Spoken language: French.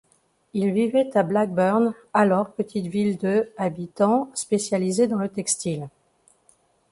Il vivait à Blackburn, alors petite ville de habitants spécialisée dans le textile.